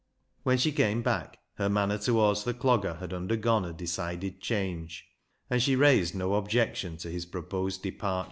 When she came back her manner towards the Clogger had undergone a decided change, and she raised no objection to his proposed departure.